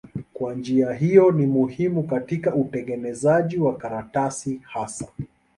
Kwa njia hiyo ni muhimu katika utengenezaji wa karatasi hasa.